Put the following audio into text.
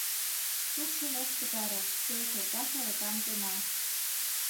Шупшын ок пытаре, пел коркаш аракам тема.